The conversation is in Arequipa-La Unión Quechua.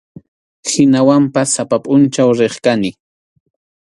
Hinawanpas sapa pʼunchaw riq kani.